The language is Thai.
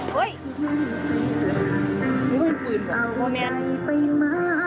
โดดด